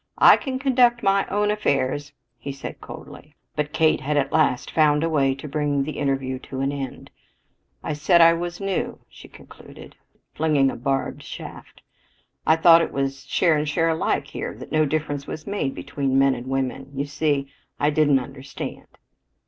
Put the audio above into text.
"I can conduct my own affairs," he said coldly. But Kate had at last found a way to bring the interview to an end. "I said I was new," she concluded, flinging a barbed shaft. "I thought it was share and share alike here that no difference was made between men and women. You see I didn't understand."